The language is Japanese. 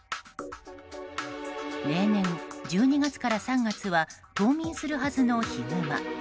例年１２月から３月は冬眠するはずのヒグマ。